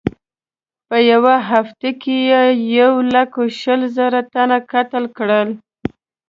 په یوه هفته کې یې یو لک شل زره تنه قتل کړل.